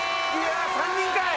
３人かい！